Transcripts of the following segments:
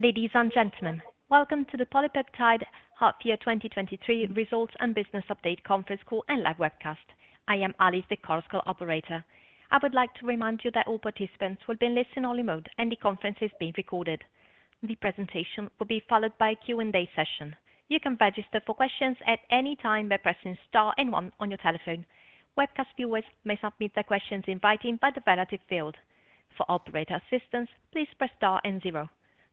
Ladies and gentlemen, welcome to the PolyPeptide Half Year 2023 Results and Business Update conference call and live webcast. I am Alice, the Chorus Call operator. I would like to remind you that all participants will be in listen-only mode, and the conference is being recorded. The presentation will be followed by a Q&A session. You can register for questions at any time by pressing star and one on your telephone. Webcast viewers may submit their questions in writing by the relative field. For operator assistance, please press Star and zero.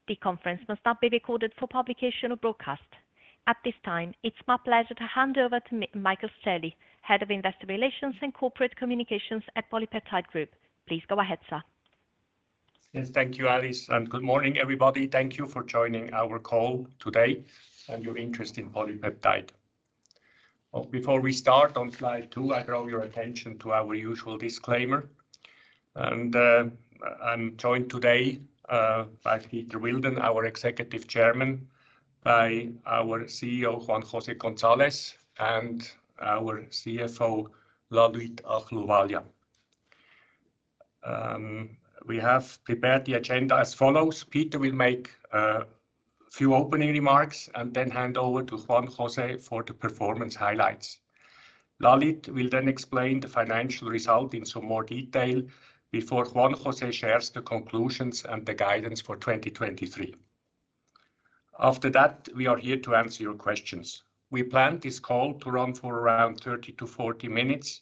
The conference must not be recorded for publication or broadcast. At this time, it's my pleasure to hand over to Michael Staeheli, Head of Investor Relations and Corporate Communications at PolyPeptide Group. Please go ahead, sir. Yes, thank you, Alice. Good morning, everybody. Thank you for joining our call today and your interest in PolyPeptide. Before we start, on slide two, I draw your attention to our usual disclaimer. I'm joined today by Peter Wilden, our Executive Chairman, by our CEO, Juan-José Gonzalez, and our CFO, Lalit Ahluwalia. We have prepared the agenda as follows: Peter will make a few opening remarks and then hand over to Juan-José Gonzalez for the performance highlights. Lalit will then explain the financial result in some more detail before Juan-José Gonzalez shares the conclusions and the guidance for 2023. After that, we are here to answer your questions. We plan this call to run for around 30 to 40 minutes.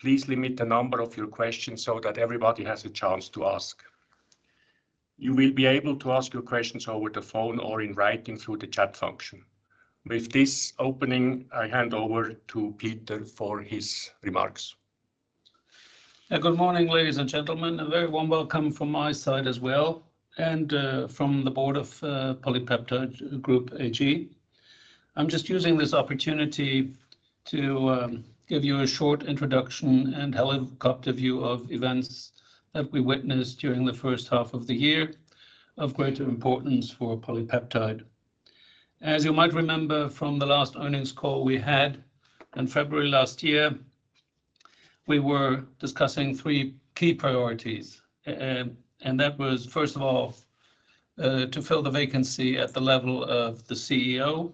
Please limit the number of your questions so that everybody has a chance to ask. You will be able to ask your questions over the phone or in writing through the chat function. With this opening, I hand over to Peter for his remarks. Yeah, good morning, ladies and gentlemen. A very warm welcome from my side as well, and from the Board of PolyPeptide Group AG. I'm just using this opportunity to give you a short introduction and helicopter view of events that we witnessed during the first half of the year, of greater importance for PolyPeptide. As you might remember from the last earnings call we had in February last year, we were discussing three key priorities. That was, first of all, to fill the vacancy at the level of the CEO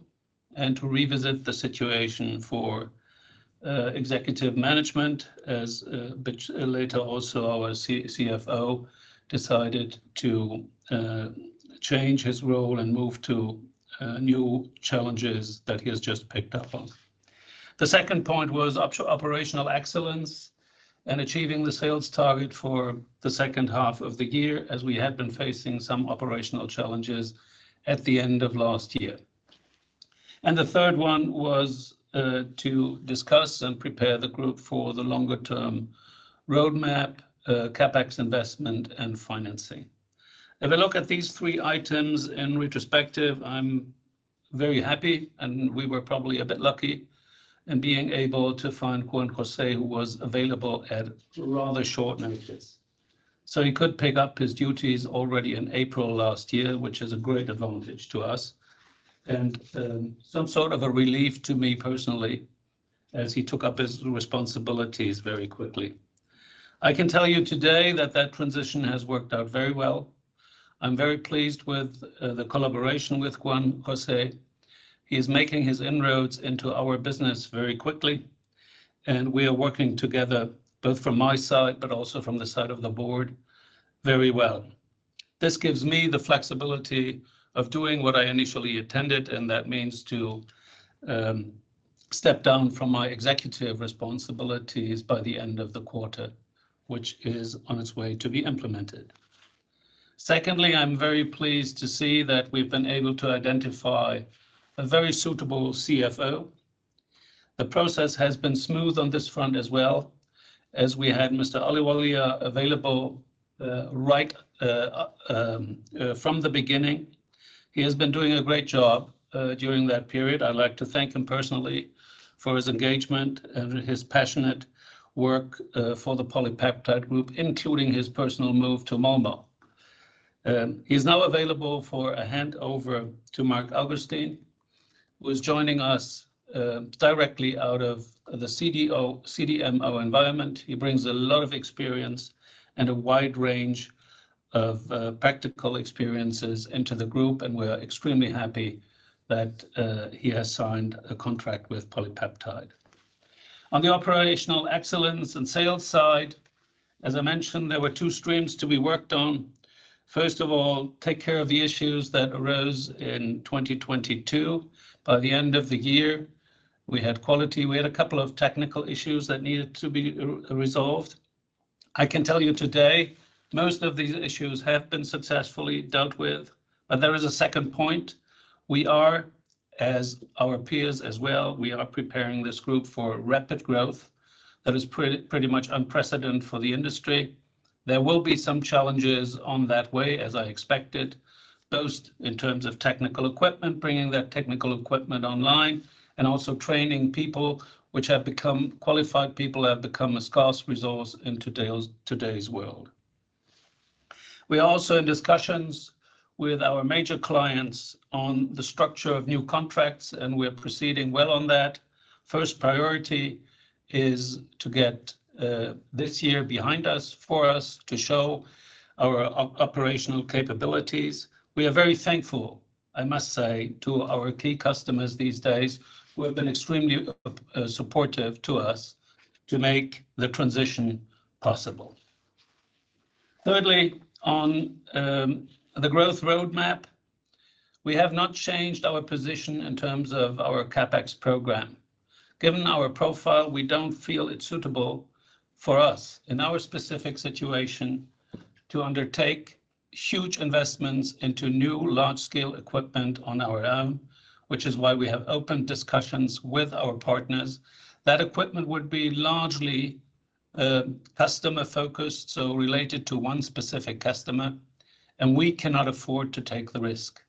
and to revisit the situation for executive management, which later also our CFO decided to change his role and move to new challenges that he has just picked up on. The second point was operational excellence and achieving the sales target for the second half of the year, as we had been facing some operational challenges at the end of last year. The third one was to discuss and prepare the group for the longer-term roadmap, CapEx investment, and financing. If I look at these three items in retrospective, I'm very happy, and we were probably a bit lucky in being able to find Juan-José Gonzalez, who was available at rather short notice, so he could pick up his duties already in April last year, which is a great advantage to us and some sort of a relief to me personally, as he took up his responsibilities very quickly. I can tell you today that that transition has worked out very well. I'm very pleased with the collaboration with Juan-José Gonzalez. He is making his inroads into our business very quickly, and we are working together, both from my side, but also from the side of the board, very well. This gives me the flexibility of doing what I initially intended, and that means to step down from my executive responsibilities by the end of the quarter, which is on its way to be implemented. Secondly, I'm very pleased to see that we've been able to identify a very suitable CFO. The process has been smooth on this front as well, as we had Mr. Ahluwalia available right from the beginning. He has been doing a great job during that period. I'd like to thank him personally for his engagement and his passionate work for the PolyPeptide Group, including his personal move to Mumbai. He's now available for a handover to Marc Augustin, who is joining us directly out of the CDO, CDMO environment. He brings a lot of experience and a wide range of practical experiences into the group, and we're extremely happy that he has signed a contract with PolyPeptide. On the operational excellence and sales side, as I mentioned, there were two streams to be worked on. First of all, take care of the issues that arose in 2022. By the end of the year, we had quality. We had a couple of technical issues that needed to be resolved. I can tell you today, most of these issues have been successfully dealt with, but there is a second point. We are, as our peers as well, we are preparing this group for rapid growth that is pretty much unprecedented for the industry. There will be some challenges on that way, as I expected, both in terms of technical equipment, bringing that technical equipment online, and also training people. Qualified people have become a scarce resource in today's world. We are also in discussions with our major clients on the structure of new contracts. We are proceeding well on that. First priority is to get this year behind us, for us to show our operational capabilities. We are very thankful. I must say, to our key customers these days, who have been extremely supportive to us to make the transition possible. Thirdly, on the growth roadmap, we have not changed our position in terms of our CapEx program. Given our profile, we don't feel it's suitable for us, in our specific situation, to undertake huge investments into new large-scale equipment on our own, which is why we have opened discussions with our partners. That equipment would be largely customer-focused, so related to one specific customer, and we cannot afford to take the risk.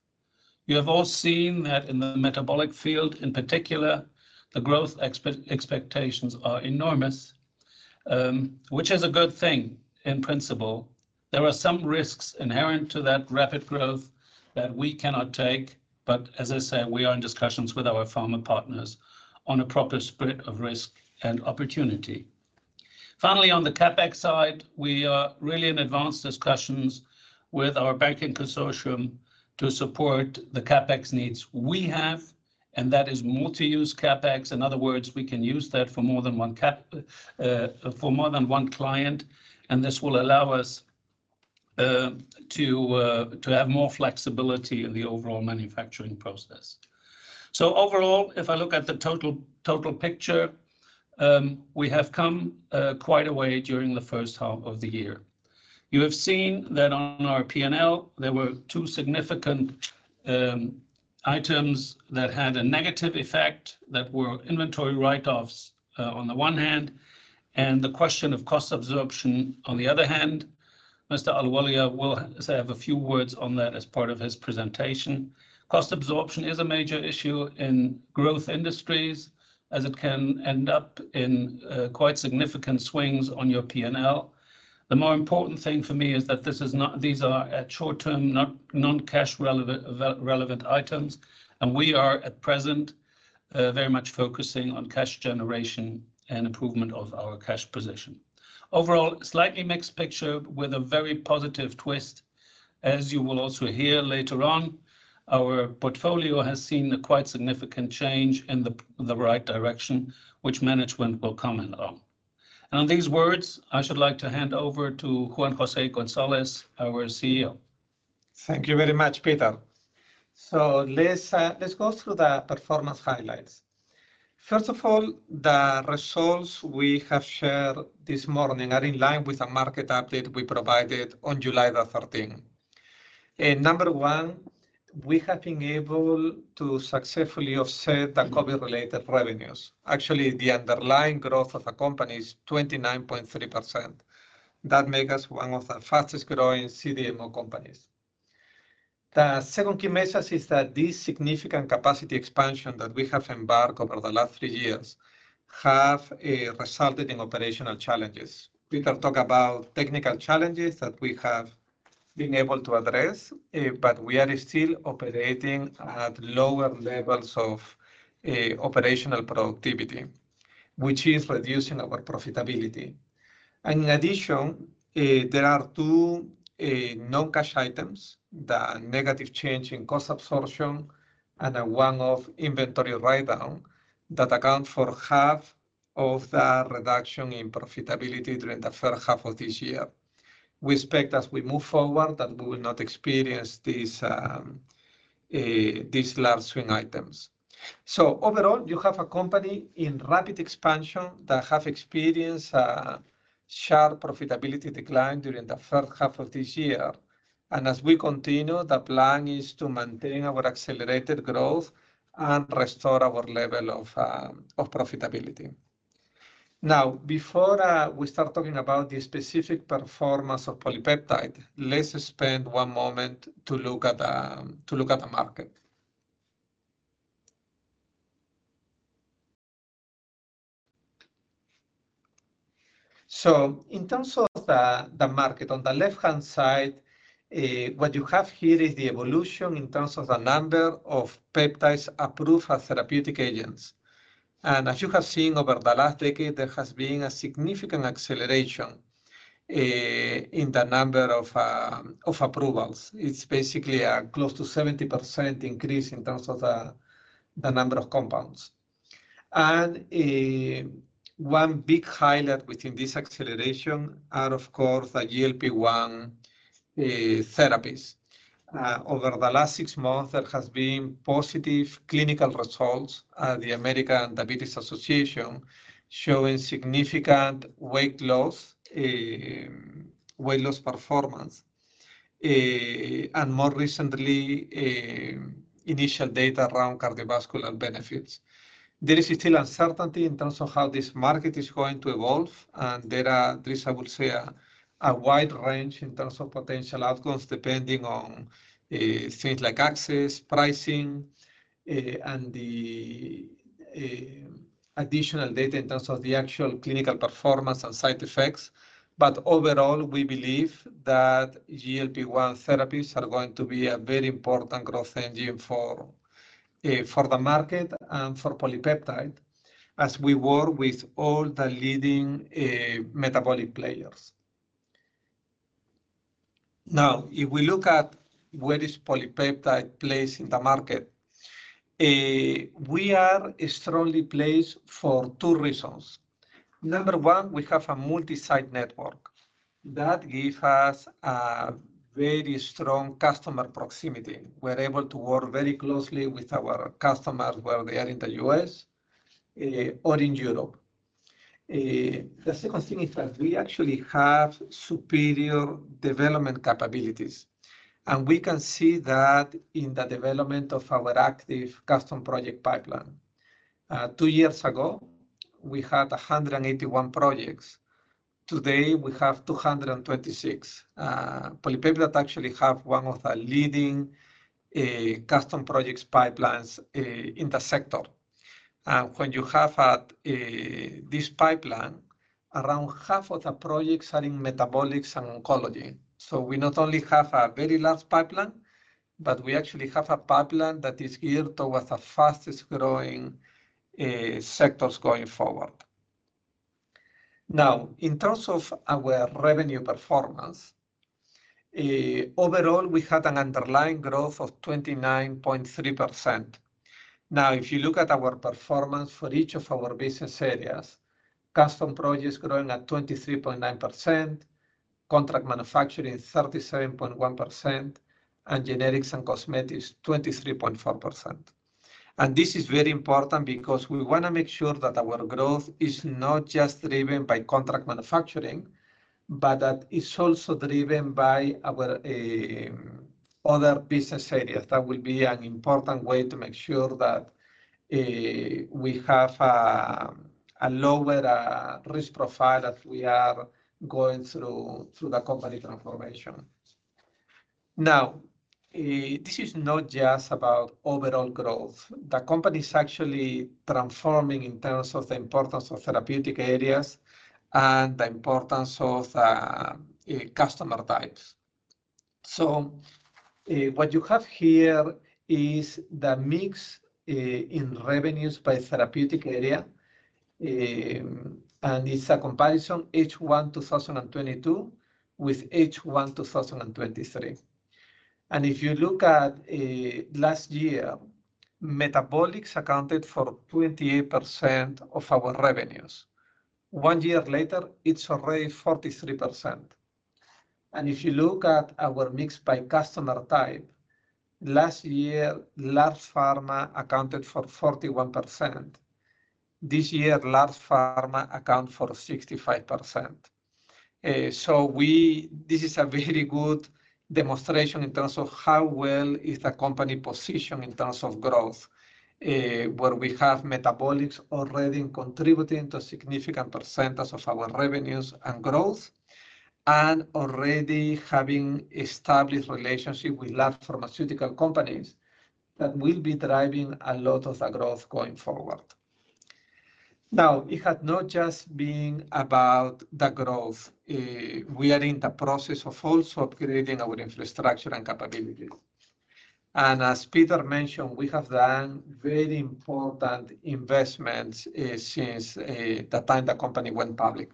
You have all seen that in the metabolic field, in particular, the growth expectations are enormous, which is a good thing in principle. There are some risks inherent to that rapid growth that we cannot take, but as I said, we are in discussions with our pharma partners on a proper split of risk and opportunity. Finally, on the CapEx side, we are really in advanced discussions with our banking consortium to support the CapEx needs we have, and that is multi-use CapEx. In other words, we can use that for more than one cap, for more than one client, and this will allow us to have more flexibility in the overall manufacturing process. Overall, if I look at the total, total picture, we have come quite a way during the first half of the year. You have seen that on our P&L, there were two significant items that had a negative effect, that were inventory write-offs, on the one hand, and the question of cost absorption on the other hand. Lalit Ahluwalia will say a few words on that as part of his presentation. Cost absorption is a major issue in growth industries, as it can end up in quite significant swings on your P&L. The more important thing for me is that this is not... These are short-term, not non-cash relevant, relevant items, and we are, at present, very much focusing on cash generation and improvement of our cash position. Overall, slightly mixed picture with a very positive twist. As you will also hear later on, our portfolio has seen a quite significant change in the right direction, which management will comment on. On these words, I should like to hand over to Juan-José Gonzalez, our CEO. Thank you very much, Peter. Let's, let's go through the performance highlights. First of all, the results we have shared this morning are in line with the market update we provided on July the 13th. Number one, we have been able to successfully offset the COVID-related revenues. Actually, the underlying growth of the company is 29.3%. That make us one of the fastest growing CDMO companies. The second key message is that this significant capacity expansion that we have embarked over the last three years have resulted in operational challenges. Peter talked about technical challenges that we have been able to address, but we are still operating at lower levels of operational productivity, which is reducing our profitability. In addition, there are two non-cash items, the negative change in cost absorption and a one-off inventory write-down, that account for half of the reduction in profitability during the first half of this year. We expect as we move forward, that we will not experience these large swing items. Overall, you have a company in rapid expansion that have experienced a sharp profitability decline during the first half of this year, and as we continue, the plan is to maintain our accelerated growth and restore our level of profitability. Now, before we start talking about the specific performance of PolyPeptide, let's spend one moment to look at the market. In terms of the, the market, on the left-hand side, what you have here is the evolution in terms of the number of peptides approved as therapeutic agents. As you have seen over the last decade, there has been a significant acceleration, in the number of approvals. It's basically a close to 70% increase in terms of the, the number of compounds. One big highlight within this acceleration are, of course, the GLP-1 therapies. Over the last six months, there has been positive clinical results at the American Diabetes Association, showing significant weight loss, weight loss performance, and more recently, initial data around cardiovascular benefits. There is still uncertainty in terms of how this market is going to evolve. There are, at least I would say, a, a wide range in terms of potential outcomes, depending on things like access, pricing, and the additional data in terms of the actual clinical performance and side effects. Overall, we believe that GLP-1 therapies are going to be a very important growth engine for the market and for PolyPeptide as we work with all the leading metabolic players. If we look at where is PolyPeptide placed in the market, we are strongly placed for two reasons. Number one, we have a multi-site network that gives us a very strong customer proximity. We're able to work very closely with our customers, whether they are in the U.S., or in Europe. The second thing is that we actually have superior development capabilities, and we can see that in the development of our active custom project pipeline. Two years ago, we had 181 projects. Today, we have 226. PolyPeptide actually have one of the leading custom projects pipelines in the sector. When you have had this pipeline, around half of the projects are in metabolics and oncology. We not only have a very large pipeline, but we actually have a pipeline that is geared towards the fastest-growing sectors going forward. Now, in terms of our revenue performance, overall, we had an underlying growth of 29.3%. If you look at our performance for each of our business areas, custom projects growing at 23.9%, contract manufacturing 37.1%, and generics and cosmetics, 23.4%. This is very important because we wanna make sure that our growth is not just driven by contract manufacturing, but that it's also driven by our other business areas. That will be an important way to make sure that we have a lower risk profile as we are going through, through the company transformation. This is not just about overall growth. The company is actually transforming in terms of the importance of therapeutic areas and the importance of customer types. What you have here is the mix in revenues by therapeutic area, and it's a comparison H1 2022 with H1 2023. If you look at last year, metabolics accounted for 28% of our revenues. One year later, it's already 43%. If you look at our mix by customer type, last year, large pharma accounted for 41%. This year, large pharma account for 65%. So this is a very good demonstration in terms of how well is the company positioned in terms of growth, where we have metabolics already contributing to a significant percentage of our revenues and growth, and already having established relationship with large pharmaceutical companies that will be driving a lot of the growth going forward. Now, it has not just been about the growth. We are in the process of also upgrading our infrastructure and capabilities. As Peter mentioned, we have done very important investments since the time the company went public.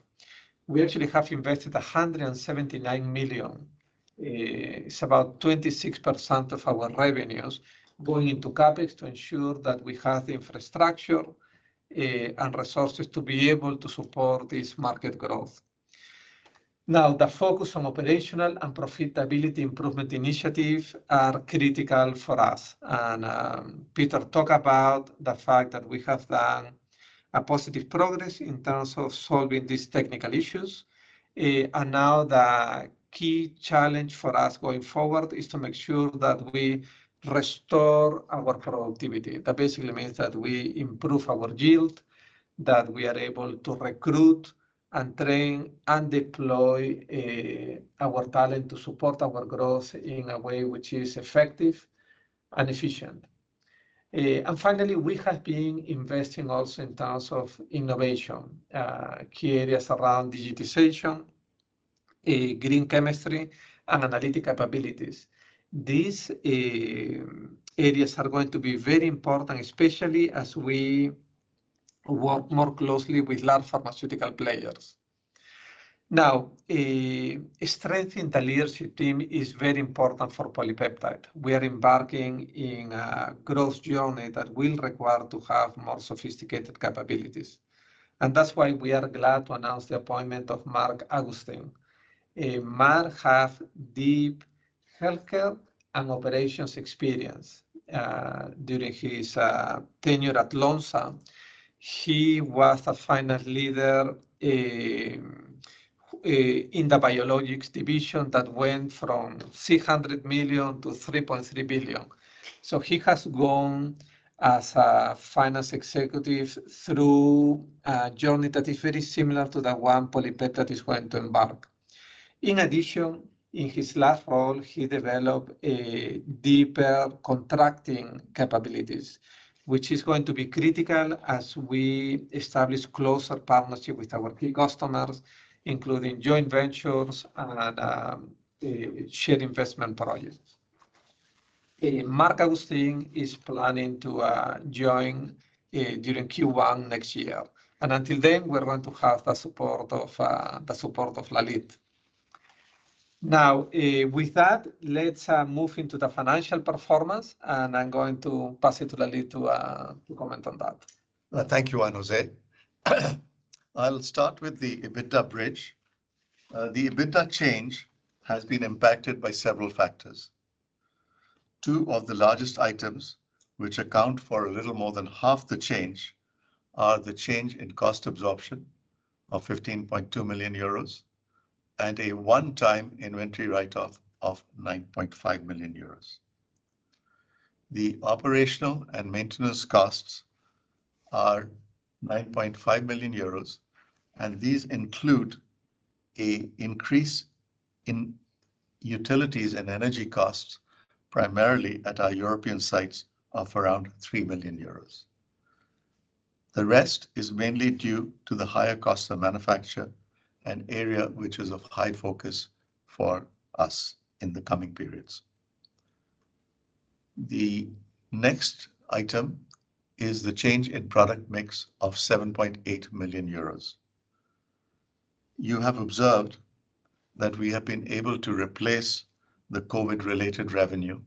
We actually have invested 179 million. It's about 26% of our revenues going into CapEx to ensure that we have the infrastructure and resources to be able to support this market growth. Now, the focus on operational and profitability improvement initiatives are critical for us. Peter talked about the fact that we have done a positive progress in terms of solving these technical issues. Now the key challenge for us going forward is to make sure that we restore our productivity. That basically means that we improve our yield, that we are able to recruit, and train, and deploy our talent to support our growth in a way which is effective and efficient. Finally, we have been investing also in terms of innovation, key areas around digitalization, green chemistry, and analytic capabilities. These areas are going to be very important, especially as we work more closely with large pharmaceutical players. Now, strength in the leadership team is very important for PolyPeptide. We are embarking in a growth journey that will require to have more sophisticated capabilities, and that's why we are glad to announce the appointment of Marc Augustin. Marc have deep healthcare and operations experience. During his tenure at Lonza, he was a finance leader in the biologics division that went from $600 million-$3.3 billion. He has grown as a finance executive through a journey that is very similar to the one PolyPeptide is going to embark. In addition, in his last role, he developed a deeper contracting capabilities, which is going to be critical as we establish closer partnership with our key customers, including joint ventures and shared investment projects. Marc Augustin is planning to join during Q1 next year. Until then, we're going to have the support of the support of Lalit. With that, let's move into the financial performance, and I'm going to pass it to Lalit to comment on that. Thank you, Juan-José. I'll start with the EBITDA bridge. The EBITDA change has been impacted by several factors. Two of the largest items, which account for a little more than half the change, are the change in cost absorption of 15.2 million euros, and a one-time inventory write-off of 9.5 million euros. The operational and maintenance costs are 9.5 million euros. These include a increase in utilities and energy costs, primarily at our European sites, of around 3 million euros. The rest is mainly due to the higher cost of manufacture, an area which is of high focus for us in the coming periods. The next item is the change in product mix of 7.8 million euros. You have observed that we have been able to replace the COVID-related revenue.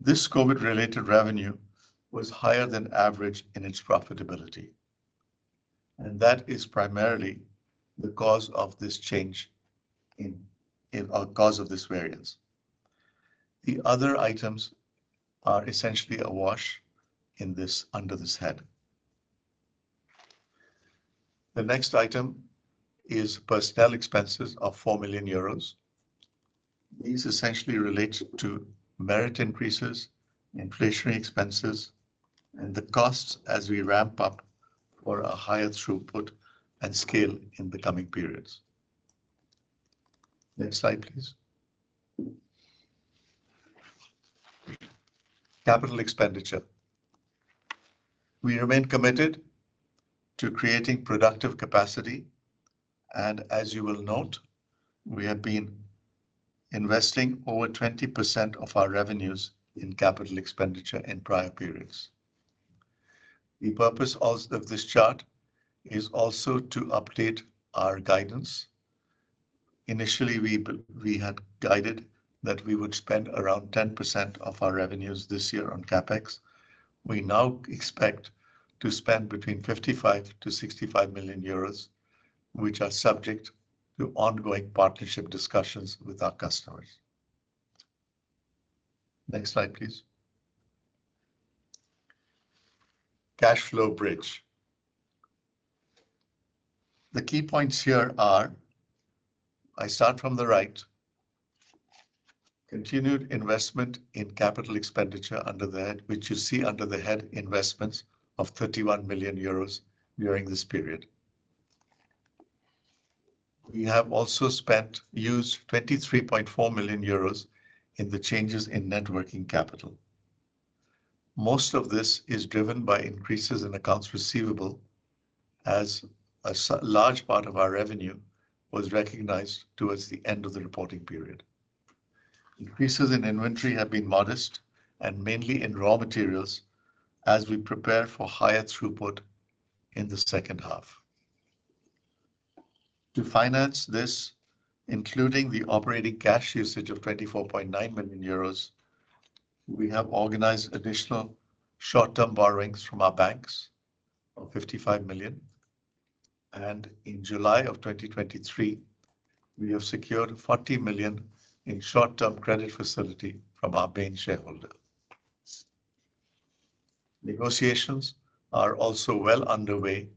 This COVID-related revenue was higher than average in its profitability. That is primarily the cause of this change in cause of this variance. The other items are essentially a wash in this, under this head. The next item is personnel expenses of 4 million euros. These essentially relate to merit increases, inflationary expenses, the costs as we ramp up for a higher throughput and scale in the coming periods. Next slide, please. Capital expenditure. We remain committed to creating productive capacity. As you will note, we have been investing over 20% of our revenues in capital expenditure in prior periods. The purpose of this chart is also to update our guidance. Initially, we had guided that we would spend around 10% of our revenues this year on CapEx. We now expect to spend between 55 million-65 million euros, which are subject to ongoing partnership discussions with our customers. Next slide, please. Cash flow bridge. The key points here are, I start from the right, continued investment in capital expenditure under the head, which you see under the head Investments, of 31 million euros during this period. We have also spent, used 23.4 million euros in the changes in net working capital. Most of this is driven by increases in accounts receivable, as a large part of our revenue was recognized towards the end of the reporting period. Increases in inventory have been modest and mainly in raw materials as we prepare for higher throughput in the second half. To finance this, including the operating cash usage of 24.9 million euros, we have organized additional short-term borrowings from our banks of 55 million, and in July 2023, we have secured 40 million in short-term credit facility from our main shareholder. Negotiations are also well underway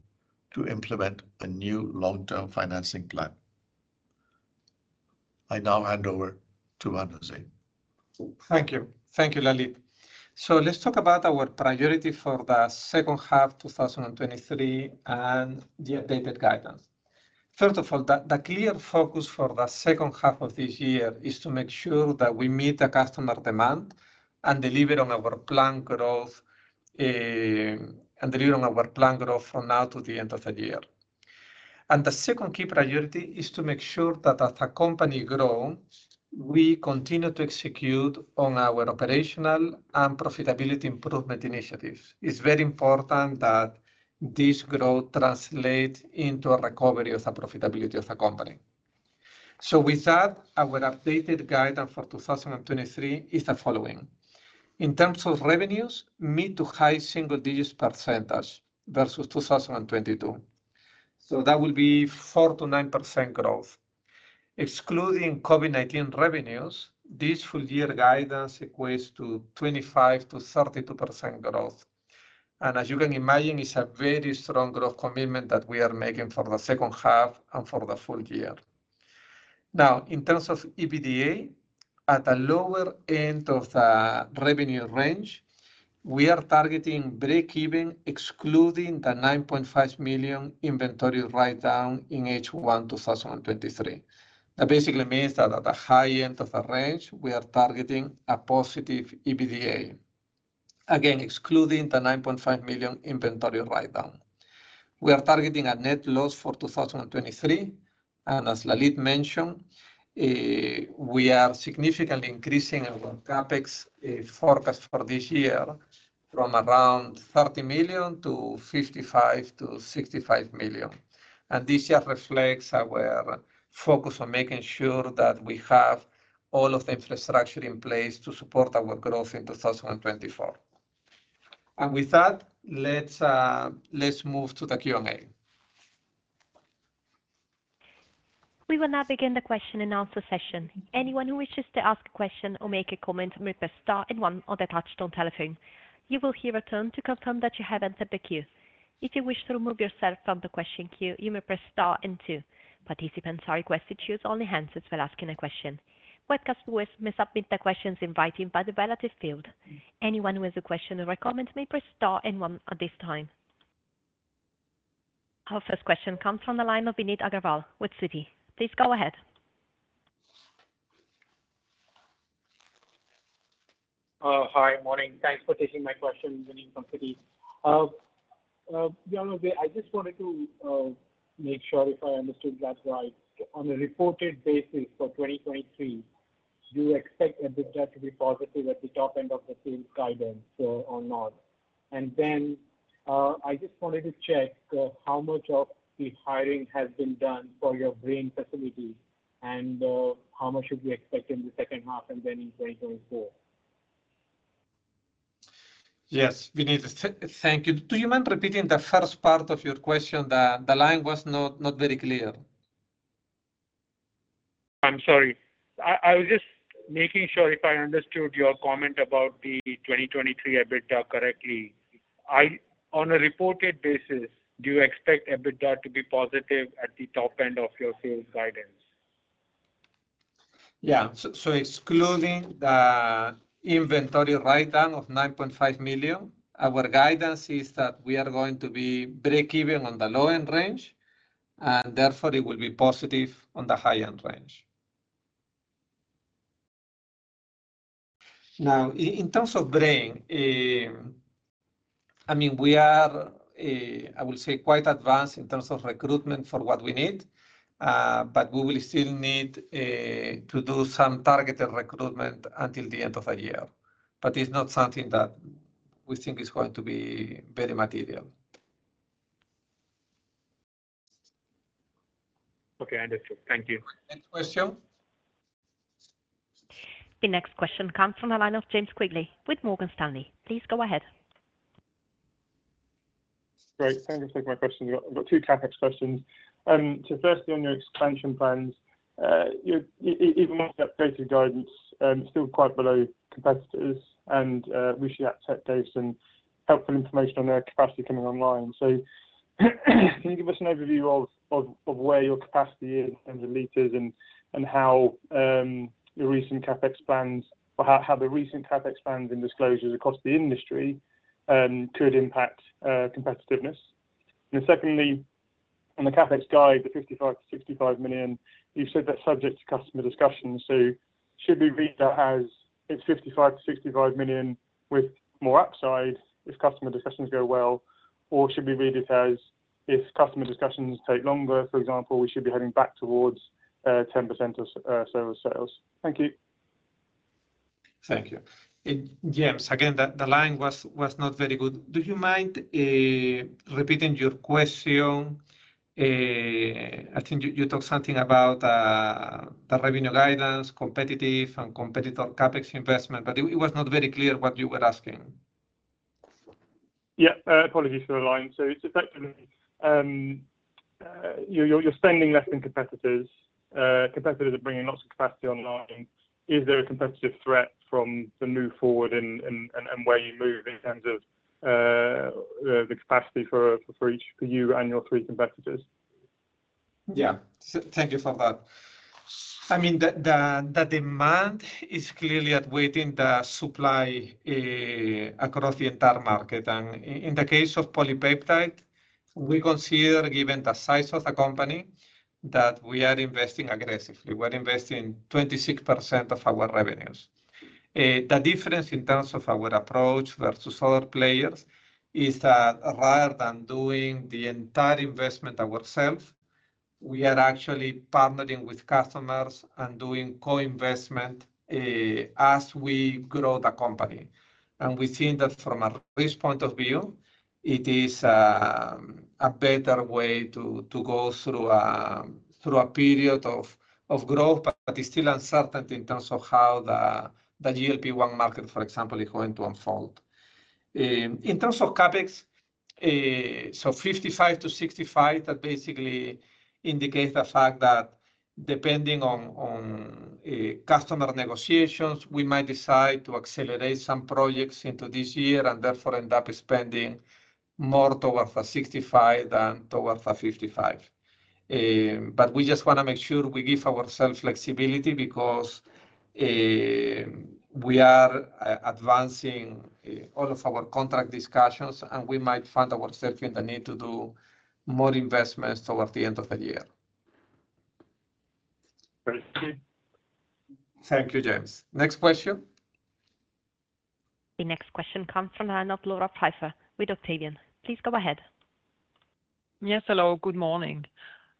to implement a new long-term financing plan. I now hand over to Juan-José. Thank you. Thank you, Lalit. Let's talk about our priority for the second half of 2023 and the updated guidance. First of all, the clear focus for the second half of this year is to make sure that we meet the customer demand and deliver on our planned growth, and deliver on our planned growth from now to the end of the year. The second key priority is to make sure that as the company grows, we continue to execute on our operational and profitability improvement initiatives. It's very important that this growth translate into a recovery of the profitability of the company. With that, our updated guidance for 2023 is the following: In terms of revenues, mid to high single digits percentage versus 2022. That will be 4%-9% growth. Excluding COVID-19 revenues, this full year guidance equates to 25%-32% growth. As you can imagine, it's a very strong growth commitment that we are making for the second half and for the full year. Now, in terms of EBITDA, at the lower end of the revenue range, we are targeting breakeven, excluding the 9.5 million inventory write-down in H1 2023. That basically means that at the high end of the range, we are targeting a positive EBITDA, again, excluding the 9.5 million inventory write-down. We are targeting a net loss for 2023, as Lalit mentioned, we are significantly increasing our CapEx forecast for this year from around 30 million to 55 million-65 million. This just reflects our focus on making sure that we have all of the infrastructure in place to support our growth in 2024. With that, let's, let's move to the Q&A. We will now begin the question and answer session. Anyone who wishes to ask a question or make a comment, may press star and one on the touchtone telephone. You will hear a tone to confirm that you have entered the queue. If you wish to remove yourself from the question queue, you may press star and two. Participants are requested to use only hands for asking a question. Webcast viewers may submit their questions in writing by the relative field. Anyone who has a question or a comment may press star and one at this time. Our first question comes from the line of Vineet Agrawal with Citi. Please go ahead. Hi. Morning. Thanks for taking my question. Vineet from Citi. Juan-José, I just wanted to make sure if I understood that right. On a reported basis for 2023, do you expect EBITDA to be positive at the top end of the sales guidance or not? I just wanted to check how much of the hiring has been done for your Braine facility, and how much should we expect in the second half and then in 2024? Yes, Vineet, thank you. Do you mind repeating the first part of your question? The, the line was not, not very clear. I'm sorry. I was just making sure if I understood your comment about the 2023 EBITDA correctly. On a reported basis, do you expect EBITDA to be positive at the top end of your sales guidance? Excluding the inventory write-down of 9.5 million, our guidance is that we are going to be breakeven on the low-end range, and therefore it will be positive on the high-end range. In terms of Braine, I mean, we are, I would say, quite advanced in terms of recruitment for what we need, but we will still need to do some targeted recruitment until the end of the year. It's not something that we think is going to be very material. Okay, understood. Thank you. Next question. The next question comes from the line of James Quigley with Morgan Stanley. Please go ahead. Great. Thank you for taking my question. I've got two CapEx questions. Firstly, on your expansion plans, you're even with the updated guidance, still quite below competitors, and we see updates and helpful information on their capacity coming online. Can you give us an overview of where your capacity is in terms of liters, and how the recent CapEx plans or how the recent CapEx plans and disclosures across the industry could impact competitiveness? Secondly, on the CapEx guide, the $55 million-$65 million, you've said that's subject to customer discussions, so should we read that as it's $55 million-$65 million with more upside if customer discussions go well? Or should we read it as if customer discussions take longer, for example, we should be heading back towards 10% of service sales. Thank you. Thank you. James, again, the line was not very good. Do you mind repeating your question? I think you talked something about the revenue guidance, competitive and competitor CapEx investment, but it was not very clear what you were asking. Yeah. Apologies for the line. It's effectively, you're spending less than competitors. Competitors are bringing lots of capacity online. Is there a competitive threat from the move forward and where you move in terms of the capacity for, for each, for you and your three competitors? Yeah. Thank you for that. I mean, the, the, the demand is clearly outweighing the supply across the entire market. In the case of PolyPeptide, we consider, given the size of the company, that we are investing aggressively. We're investing 26% of our revenues. The difference in terms of our approach versus other players, is that rather than doing the entire investment ourselves, we are actually partnering with customers and doing co-investment as we grow the company. We've seen that from a risk point of view, it is a better way to, to go through through a period of, of growth, but it's still uncertain in terms of how the, the GLP-1 market, for example, is going to unfold. In terms of CapEx, that basically indicates the fact that depending on, on customer negotiations, we might decide to accelerate some projects into this year and therefore end up spending more towards the 65 than towards the 55. We just wanna make sure we give ourselves flexibility because we are advancing all of our contract discussions, and we might find ourselves in the need to do more investments towards the end of the year. Thank you, James. Next question? The next question comes from the line of Laura Pfeifer with Octavian. Please go ahead. Yes, hello. Good morning.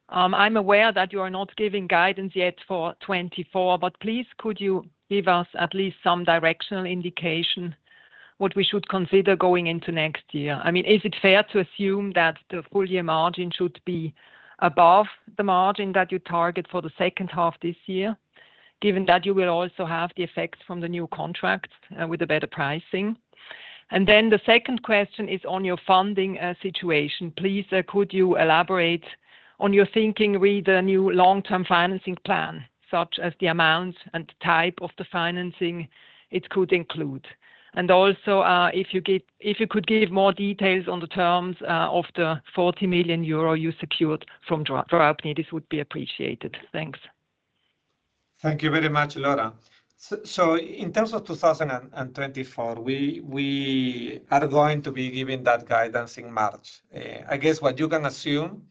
I'm aware that you are not giving guidance yet for 2024, but please, could you give us at least some directional indication what we should consider going into next year? I mean, is it fair to assume that the full year margin should be above the margin that you target for the second half this year, given that you will also have the effect from the new contracts with the better pricing? The second question is on your funding situation. Please, could you elaborate on your thinking with the new long-term financing plan, such as the amount and type of the financing it could include? Also, if you give, if you could give more details on the terms of the 40 million euro you secured from Draupnir, this would be appreciated. Thanks. Thank you very much, Laura. In terms of 2024, we, we are going to be giving that guidance in March. I guess what you can assume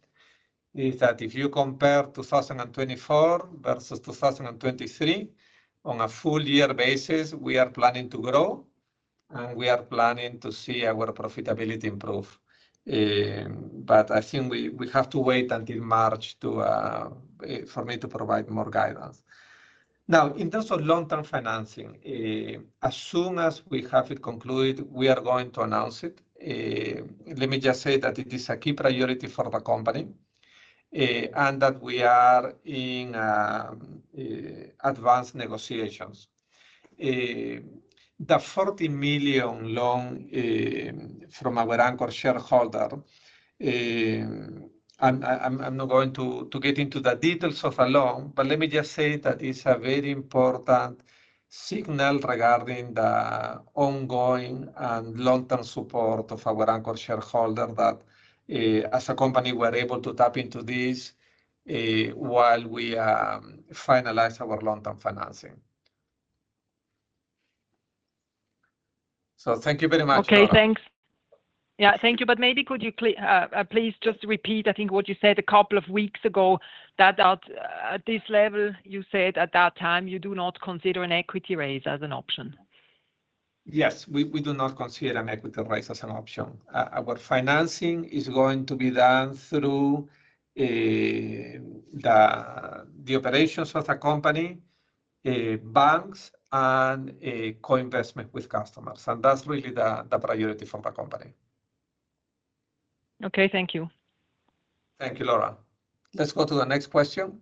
is that if you compare 2024 versus 2023, on a full year basis, we are planning to grow, and we are planning to see our profitability improve. I think we, we have to wait until March to, for me to provide more guidance. In terms of long-term financing, as soon as we have it concluded, we are going to announce it. Let me just say that it is a key priority for the company, and that we are in advanced negotiations. The 40 million loan from our anchor shareholder, I'm not going to get into the details of the loan, but let me just say that it's a very important signal regarding the ongoing and long-term support of our anchor shareholder that, as a company, we're able to tap into this, while we finalize our long-term financing. Thank you very much, Laura. Okay, thanks. Yeah, thank you. Maybe could you please just repeat, I think what you said a couple of weeks ago, that at, at this level, you said at that time, you do not consider an equity raise as an option. Yes, we, we do not consider an equity raise as an option. Our financing is going to be done through the operations of the company, banks, and a co-investment with customers, and that's really the priority for the company. Okay. Thank you. Thank you, Laura. Let's go to the next question.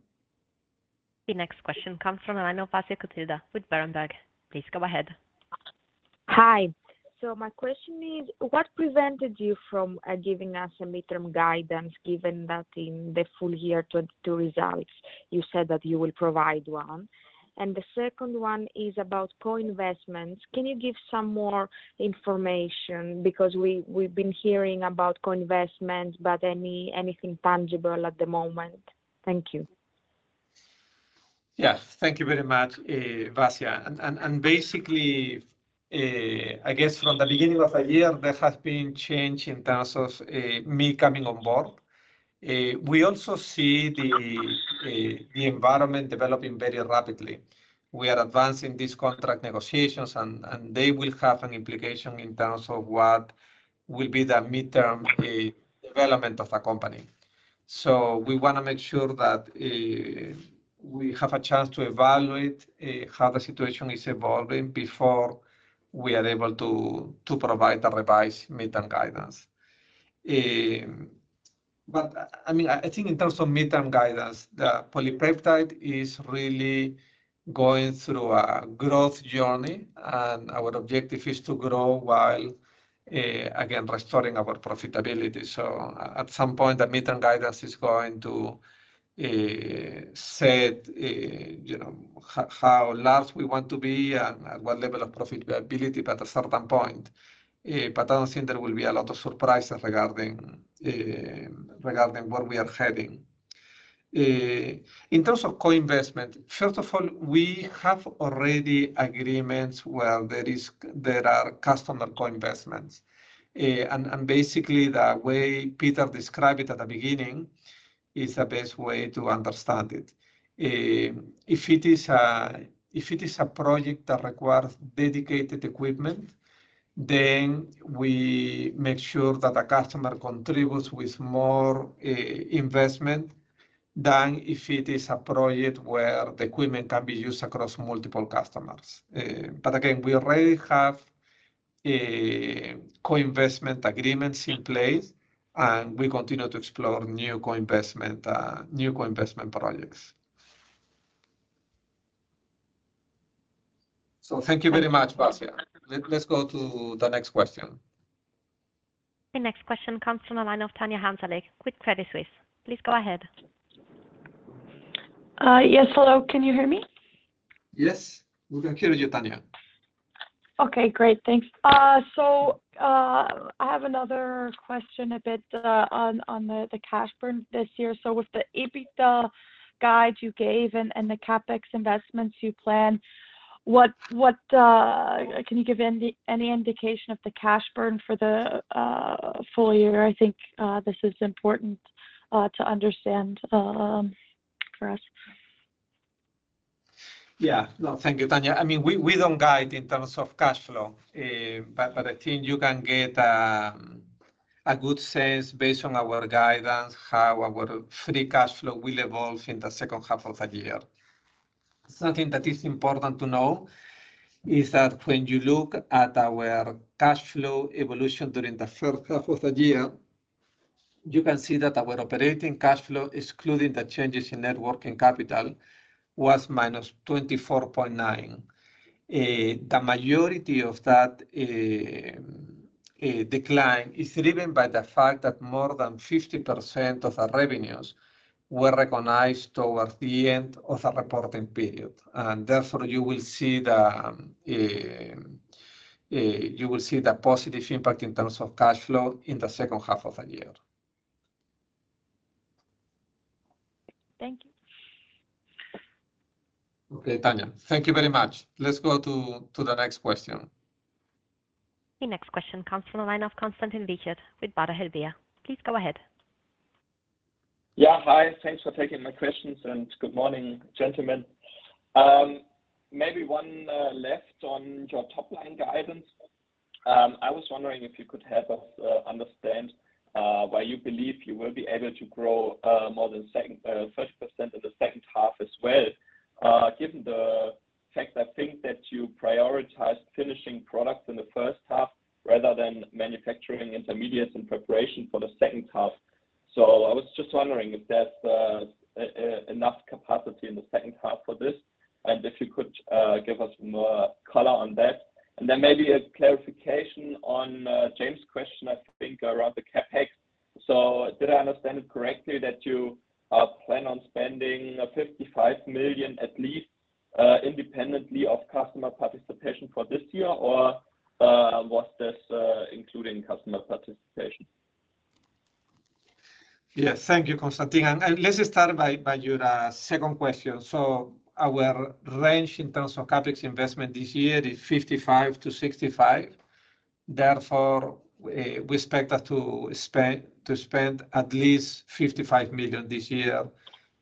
The next question comes from the line of Vasia Kotlida with Berenberg. Please go ahead. Hi. My question is, what prevented you from giving us a midterm guidance, given that in the full year 22 results, you said that you will provide one? The second one is about co-investments. Can you give some more information? Because we've been hearing about co-investments, but anything tangible at the moment. Thank you. Yes, thank you very much, Vasia. Basically, I guess from the beginning of the year, there has been change in terms of me coming on board. We also see the environment developing very rapidly. We are advancing these contract negotiations, and they will have an implication in terms of what will be the midterm development of the company. We wanna make sure that we have a chance to evaluate how the situation is evolving before we are able to provide a revised midterm guidance. I mean, I think in terms of midterm guidance, the PolyPeptide is really going through a growth journey, and our objective is to grow while again, restoring our profitability. At some point, the midterm guidance is going to set, you know, how large we want to be and at what level of profitability at a certain point. I don't think there will be a lot of surprises regarding where we are heading. In terms of co-investment, first of all, we have already agreements where there are customer co-investments. Basically, the way Peter described it at the beginning, is the best way to understand it. If it is a project that requires dedicated equipment, then we make sure that the customer contributes with more investment than if it is a project where the equipment can be used across multiple customers. Again, we already have, co-investment agreements in place, and we continue to explore new co-investment, new co-investment projects. Thank you very much, Vasia. Let, let's go to the next question. The next question comes from the line of Tanya Hansalik with Credit Suisse. Please go ahead. Yes, hello. Can you hear me? Yes, we can hear you, Tanya. Okay, great. Thanks. I have another question a bit on, on the, the cash burn this year. With the EBITDA guide you gave and, and the CapEx investments you plan, what, what, can you give any, any indication of the cash burn for the full year? I think this is important to understand for us. Yeah. No, thank you, Tanya. I mean, we, we don't guide in terms of cash flow, but I think you can get a good sense based on our guidance, how our free cash flow will evolve in the second half of the year. Something that is important to know is that when you look at our cash flow evolution during the first half of the year, you can see that our operating cash flow, excluding the changes in net working capital, was -24.9. The majority of that decline is driven by the fact that more than 50% of our revenues were recognized towards the end of our reporting period, and therefore, you will see the positive impact in terms of cash flow in the second half of the year. Thank you. Okay, Tanya, thank you very much. Let's go to the next question. The next question comes from the line of Konstantin Wiechert with Baader Helvea. Please go ahead. Yeah. Hi, thanks for taking my questions, and good morning, gentlemen. Maybe one last on your top-line guidance. I was wondering if you could help us understand why you believe you will be able to grow more than second 30% in the second half as well, Thank you, Konstantin. Let's just start by, by your second question. Our range in terms of CapEx investment this year is $55 million-$65 million. Therefore, we expect that to spend, to spend at least $55 million this year,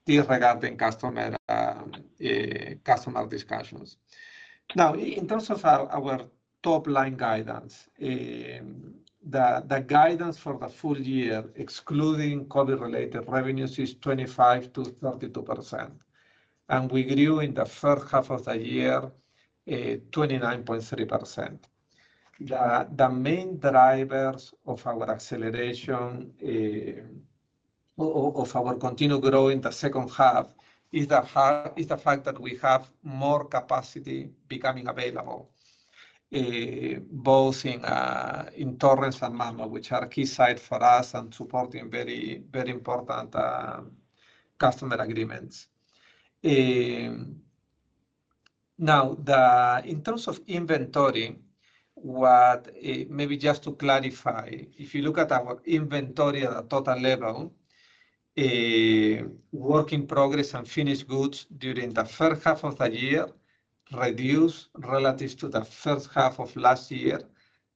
regardless of customer, customer discussions. In terms of our, our top-line guidance, the, the guidance for the full year, excluding COVID-related revenues, is 25%-32%, and we grew in the first half of the year, 29.3%. The, the main drivers of our acceleration, of our continued growth in the second half is the fact that we have more capacity becoming available, both in, in Torrance and Malmö, which are key sites for us and supporting very, very important, customer agreements. The... In terms of inventory, what, maybe just to clarify, if you look at our inventory at a total level, work in progress and finished goods during the first half of the year reduced relatives to the first half of last year,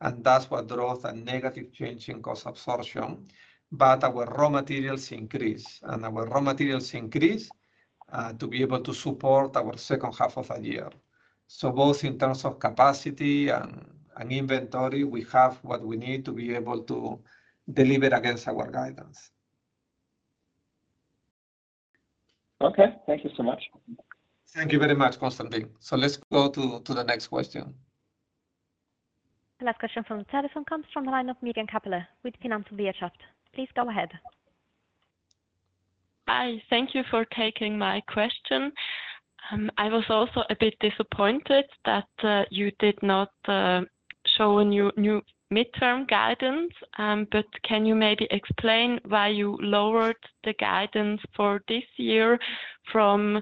and that's what drove the negative change in cost absorption. Our raw materials increased, and our raw materials increased, to be able to support our second half of the year. Both in terms of capacity and, and inventory, we have what we need to be able to deliver against our guidance. Okay. Thank you so much. Thank you very much, Konstantin. Let's go to the next question. The last question from the telephone comes from the line of [Miriam Capler] with [Financial Wirehouse]. Please go ahead. Hi. Thank you for taking my question. I was also a bit disappointed that you did not show a new, new midterm guidance. Can you maybe explain why you lowered the guidance for this year from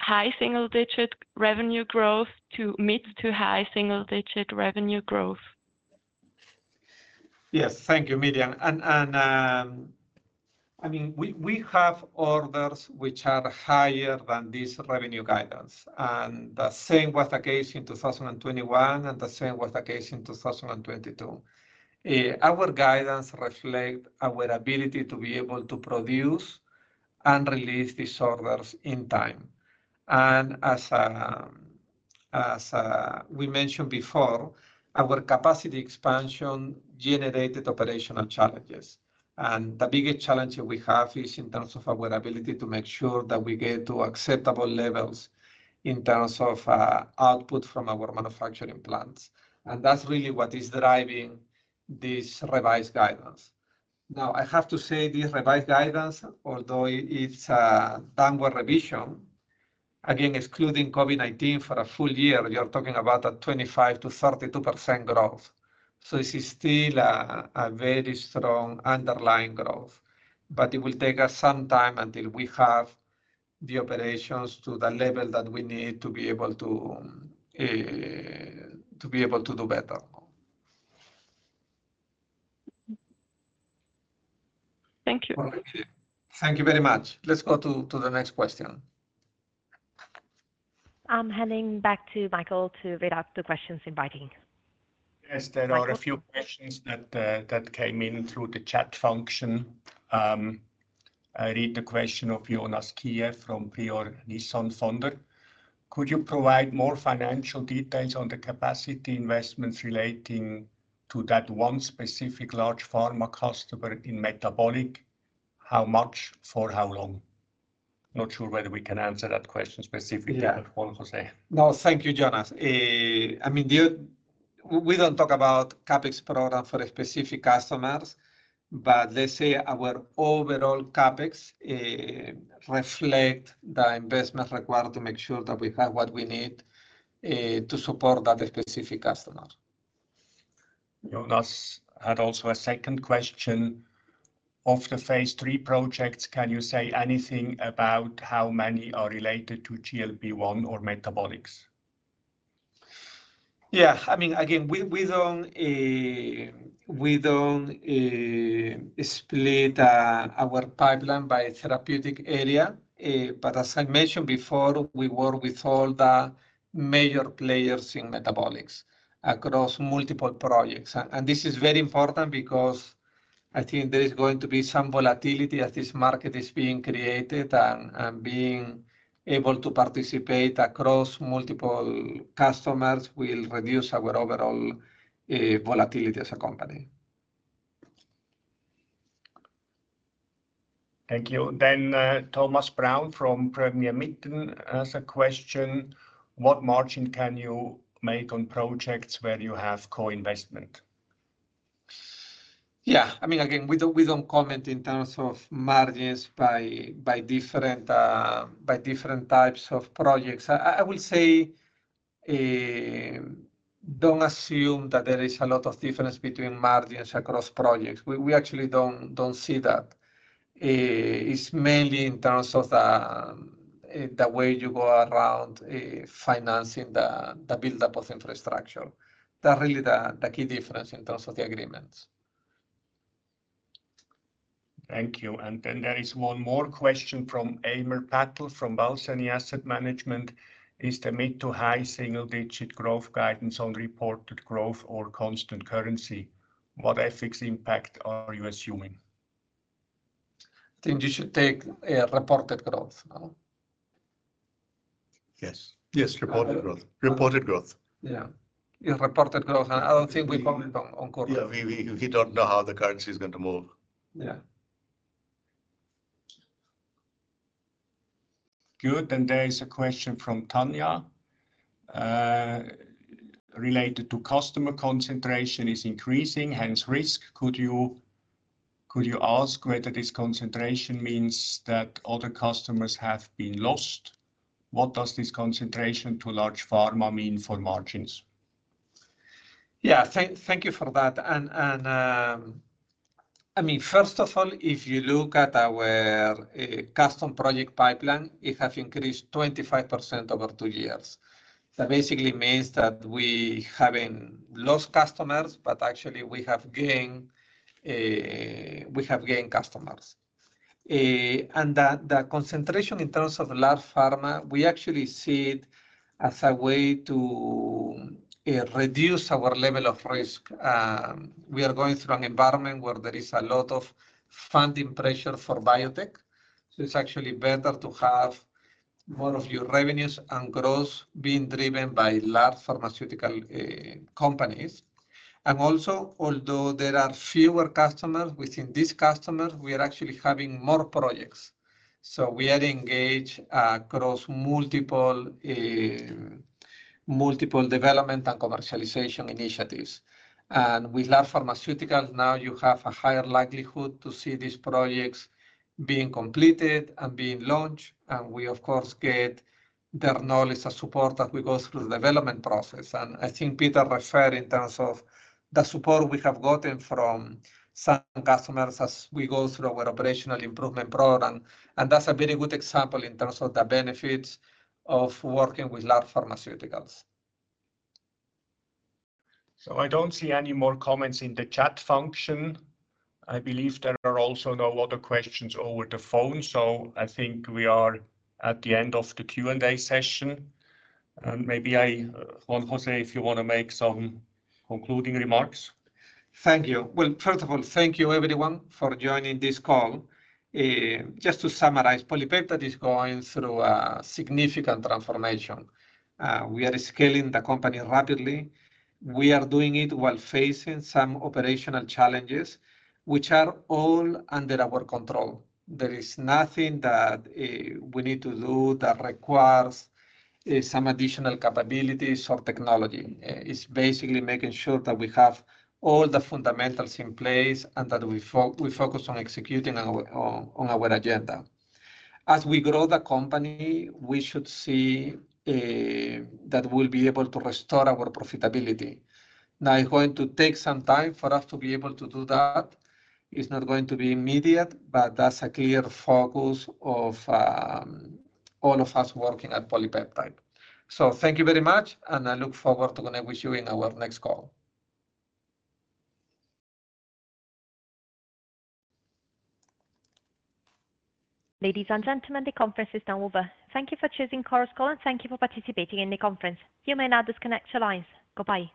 high single-digit revenue growth to mid-to-high single-digit revenue growth? Yes. Thank you, Miriam. I mean, we have orders which are higher than this revenue guidance, and the same was the case in 2021, and the same was the case in 2022. Our guidance reflect our ability to be able to produce and release these orders in time. As we mentioned before, our capacity expansion generated operational challenges, and the biggest challenge that we have is in terms of our ability to make sure that we get to acceptable levels in terms of output from our manufacturing plants. That's really what is driving this revised guidance. Now, I have to say, this revised guidance, although it's a downward revision, again, excluding COVID-19, for a full year, you're talking about a 25%-32% growth. This is still a very strong underlying growth, but it will take us some time until we have the operations to the level that we need to be able to do better. Thank you. Thank you very much. Let's go to the next question. I'm handing back to Michael to read out the questions in writing. Yes, there are a few questions that, that came in through the chat function. I read the question of Jonas Skilje from PriorNilsson Fonder. Could you provide more financial details on the capacity investments relating to that one specific large pharma customer in metabolic? How much? For how long? Not sure whether we can answer that question specifically. Yeah. Juan-José González. No, thank you, Jonas. I mean, the, we don't talk about CapEx program for specific customers, but let's say our overall CapEx, reflect the investment required to make sure that we have what we need, to support that specific customer. Jonas had also a second question, "Of the phase III projects, can you say anything about how many are related to GLP-1 or metabolics? Yeah. I mean, again, we, we don't, we don't split our pipeline by therapeutic area, but as I mentioned before, we work with all the major players in metabolics across multiple projects. This is very important because I think there is going to be some volatility as this market is being created, and being able to participate across multiple customers will reduce our overall volatility as a company. Thank you. Thomas Brown from Premier Miton has a question, "What margin can you make on projects where you have co-investment? Yeah. I mean, again, we don't, we don't comment in terms of margins by, by different, by different types of projects. I, I, I will say, don't assume that there is a lot of difference between margins across projects. We, we actually don't, don't see that. It's mainly in terms of the way you go around, financing the buildup of infrastructure. That's really the, the key difference in terms of the agreements. Thank you. There is one more question from Amar Patel, from Balyasny Asset Management, "Is the mid to high single-digit growth guidance on reported growth or constant currency? What FX impact are you assuming? I think you should take, reported growth, no? Yes. Yes, reported growth. Reported growth. Yeah. Yeah, reported growth. I don't think we comment on, on currency. Yeah, we, we, we don't know how the currency is going to move. Yeah. Good, there is a question from Tanya related to customer concentration is increasing, hence risk. Could you, could you ask whether this concentration means that other customers have been lost? What does this concentration to large pharma mean for margins? Yeah. Thank, thank you for that. I mean, first of all, if you look at our custom project pipeline, it have increased 25% over two years. That basically means that we haven't lost customers, but actually we have gained, we have gained customers. The concentration in terms of large pharma, we actually see it as a way to reduce our level of risk. We are going through an environment where there is a lot of funding pressure for biotech, so it's actually better to have more of your revenues and growth being driven by large pharmaceutical companies. Also, although there are fewer customers, within these customers, we are actually having more projects. We are engaged across multiple, multiple development and commercialization initiatives. With large pharmaceuticals, now you have a higher likelihood to see these projects being completed and being launched. We, of course, get their knowledge and support as we go through the development process. I think Peter referred in terms of the support we have gotten from some customers as we go through our operational improvement program. That's a very good example in terms of the benefits of working with large pharmaceuticals. I don't see any more comments in the chat function. I believe there are also no other questions over the phone, so I think we are at the end of the Q&A session. Maybe I... Juan-José, if you wanna make some concluding remarks? Thank you. Well, first of all, thank you everyone for joining this call. Just to summarize, PolyPeptide is going through a significant transformation. We are scaling the company rapidly. We are doing it while facing some operational challenges, which are all under our control. There is nothing that we need to do that requires some additional capabilities or technology. It's basically making sure that we have all the fundamentals in place and that we focus on executing our agenda. As we grow the company, we should see that we'll be able to restore our profitability. It's going to take some time for us to be able to do that. It's not going to be immediate, but that's a clear focus of all of us working at PolyPeptide. Thank you very much, and I look forward to connect with you in our next call. Ladies and gentlemen, the conference is now over. Thank you for choosing Chorus Call, and thank you for participating in the conference. You may now disconnect your lines. Goodbye.